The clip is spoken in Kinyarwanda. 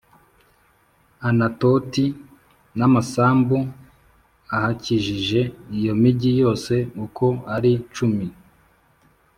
Anatoti v n amasambu ahakikije Iyo migi yose uko ari cumi